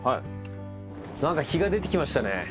何か日が出てきましたね